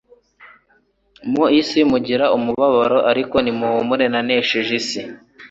Mu isi mugira umubabaro, ariko nimuhumure nanesheje isi.”